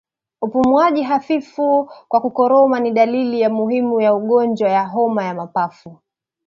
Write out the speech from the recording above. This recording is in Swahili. Upumuaji hafifu kwa kukoroma ni dalili muhimu ya ugonjwa wa homa ya mapafu